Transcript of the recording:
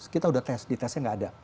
kita udah tes ditesnya nggak ada